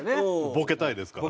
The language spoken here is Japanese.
ボケたいですから。